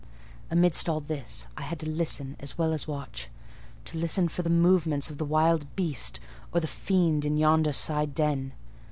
Amidst all this, I had to listen as well as watch: to listen for the movements of the wild beast or the fiend in yonder side den.